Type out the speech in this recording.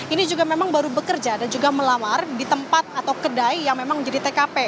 ini juga memang baru bekerja dan juga melamar di tempat atau kedai yang memang menjadi tkp